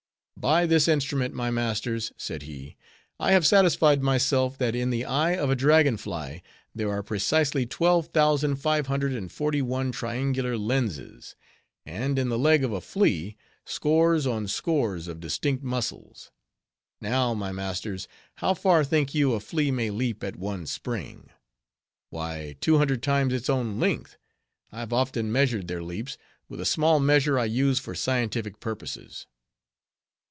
"By this instrument, my masters," said he, "I have satisfied myself, that in the eye of a dragon fly there are precisely twelve thousand five hundred and forty one triangular lenses; and in the leg of a flea, scores on scores of distinct muscles. Now, my masters, how far think you a flea may leap at one spring? Why, two hundred times its own length; I have often measured their leaps, with a small measure I use for scientific purposes."